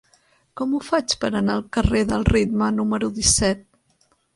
Com ho faig per anar al carrer del Ritme número disset?